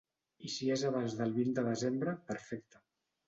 I si és abans del vint de desembre, perfecte.